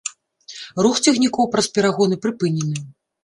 Рух цягнікоў праз перагоны прыпынены.